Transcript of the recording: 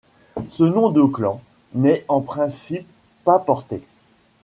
Ce nom de clan n'est en principe pas porté.